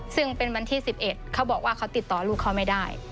ซึ่งเป็นวันที่๑๑เขาบอกว่าเขาติดต่อลูกเขาไม่ได้